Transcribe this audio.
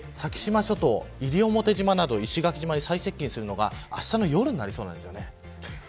先島諸島、西表島など石垣島に最接近するのがあしたの夜になりそうです。